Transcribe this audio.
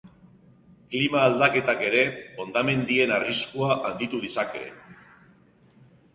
Klima aldaketak ere hondamendien arriskua handitu dezake.